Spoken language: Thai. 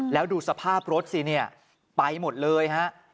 แล้วดูสภาพรถสิไปหมดเลยฮะ